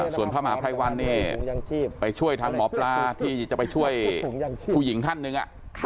ส่วนพระมหาภัยวันเนี่ยไปช่วยทางหมอปลาที่จะไปช่วยผู้หญิงท่านหนึ่ง